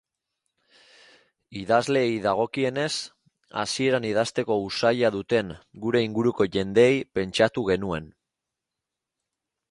Idazleei dagokienez, hasieran idazteko usaia duten gure inguruko jendeei pentsatu genuen.